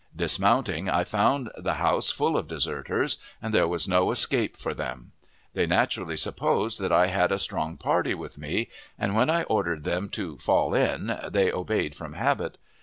Dismounting, I found the house full of deserters, and there was no escape for them. They naturally supposed that I had a strong party with me, and when I ordered them to "fall in" they obeyed from habit.